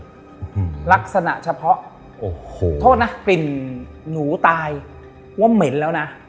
อืมลักษณะเฉพาะโอ้โหโทษนะกลิ่นหนูตายว่าเหม็นแล้วนะ